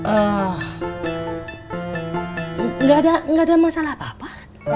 ah gak ada masalah apa apa